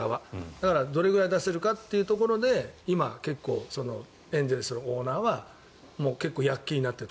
だからどれくらい出せるかというところで今、結構エンゼルスのオーナーは躍起になっている。